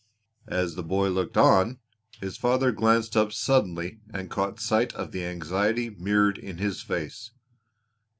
As the boy looked on, his father glanced up suddenly and caught sight of the anxiety mirrored in his face.